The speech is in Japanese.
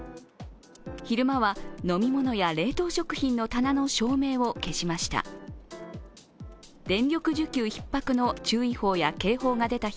昼間は、飲み物や冷凍食品の棚の照明を消しました。